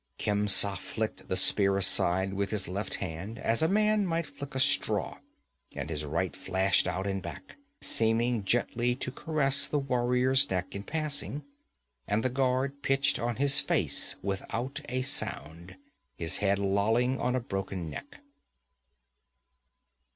Khemsa flicked the spear aside with his left hand, as a man might flick a straw, and his right flashed out and back, seeming gently to caress the warrior's neck in passing. And the guard pitched on his face without a sound, his head lolling on a broken neck.